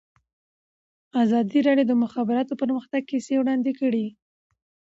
ازادي راډیو د د مخابراتو پرمختګ کیسې وړاندې کړي.